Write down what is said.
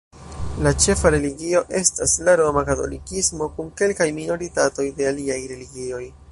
La ĉefa religio estas la Roma Katolikismo kun kelkaj minoritatoj de aliaj religioj.